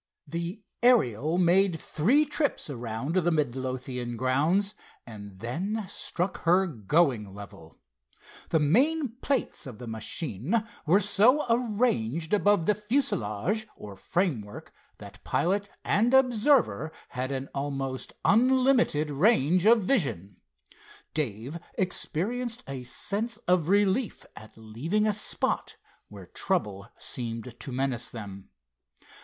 The Ariel made three trips around the Midlothian grounds, and then struck her going level. The main plates of the machine were so arranged above the fuselage or framework, that pilot and observer had an almost unlimited range of vision. Dave experienced a sense of relief at leaving a spot where trouble seemed to menace them.